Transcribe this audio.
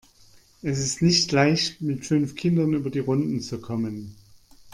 Es ist nicht leicht, mit fünf Kindern über die Runden zu kommen.